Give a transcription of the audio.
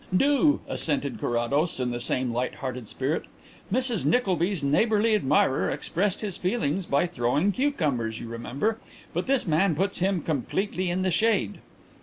"Do," assented Carrados, in the same light hearted spirit. "Mrs Nickleby's neighbourly admirer expressed his feelings by throwing cucumbers, you remember, but this man puts him completely in the shade."